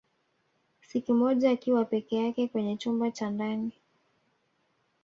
Siku moja akiwa peke yake kwenye chumba cha ndani